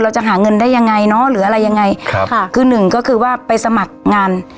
จะหาเงินได้ยังไงเนอะหรืออะไรยังไงครับค่ะคือหนึ่งก็คือว่าไปสมัครงาน